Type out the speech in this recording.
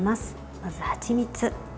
まず、はちみつ。